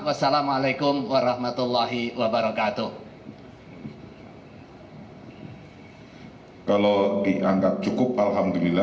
wassalamu'alaikum warahmatullahi wabarakatuh